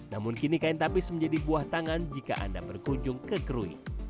namun kini kain tapis menjadi buah tangan jika anda berkunjung ke krui